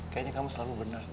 kayanya kamu selalu bener deh